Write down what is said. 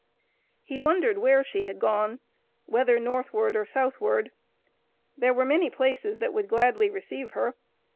He wondered where she had gone, whether northward or southward. There were many places that would gladly receive her.